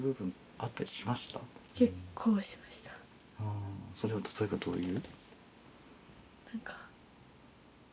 ああそれは例えばどういう？